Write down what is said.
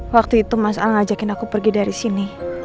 waktu itu mas al ngajakin aku pergi dari sini